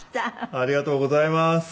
ありがとうございます。